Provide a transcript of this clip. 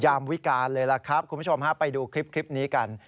วิการเลยล่ะครับคุณผู้ชมฮะไปดูคลิปนี้กัน